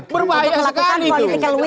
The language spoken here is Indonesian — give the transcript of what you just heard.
berbahaya sekali itu